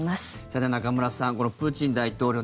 さて、中村さんプーチン大統領